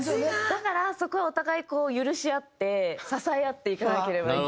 だからそこはお互い許し合って支え合っていかなければいけない。